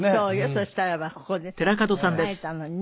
そしたらばここでさ会えたのにね。